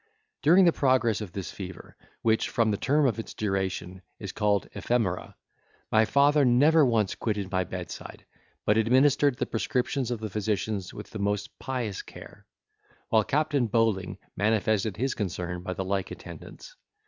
During the progress of this fever, which, from the term or its duration, is called ephemera, my father never once quitted my bedside, but administered the prescriptions of the physicians with the most pious care; while Captain Bowling manifested his concern by the like attendance.